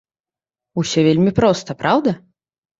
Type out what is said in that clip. Усё вельмі проста, праўда?